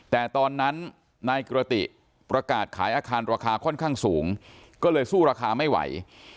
แต่ตอนนั้นนายกิรติประกาศขายอาคารราคาค่อนข้างสูงก็เลยสู้ราคาไม่ไหว